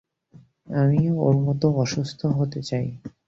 আমিও ওর মতো অসুস্থ হতে চাই।